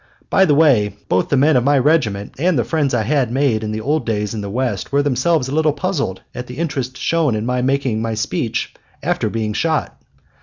By the way, both the men of my regiment and the friends I had made in the old days in the West were themselves a little puzzled at the interest shown in my making my speech after being shot.